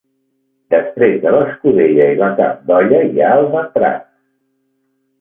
Després de l'escudella i la carn d'olla hi ha els entrants.